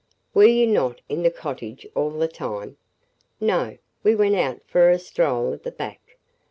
"Were you not in the cottage all the time?" "No; we went out for a stroll at the back.